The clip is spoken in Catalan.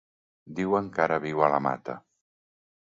Diuen que ara viu a la Mata.